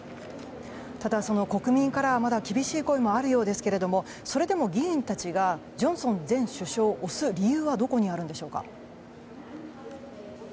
ただ、国民からはまだ厳しい声もあるようですがそれでも議員たちがジョンソン前首相を推す理由はどこにあるんでしょうか？